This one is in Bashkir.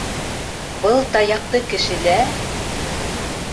— Был таяҡты кешеләр...